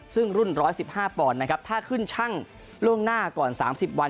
ซึ่งรุ่นร้อยสิบห้าปอนด์นะครับถ้าขึ้นชั่งล่วงหน้าก่อนสามสิบวัน